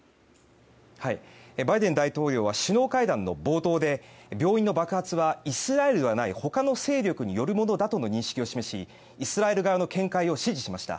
バイデン大統領は首脳会談の冒頭で病院の爆発はイスラエルではない他の勢力によるものだという認識を示しイスラエル側の見解を支持しました。